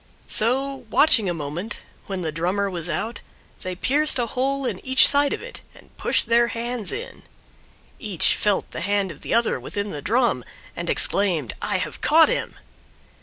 So, watching a moment, when the drummer was out, they pierced a hole in each side of it, and pushed their hands in. Each felt the hand of the other within the Drum, and exclaimed, "I have caught him!"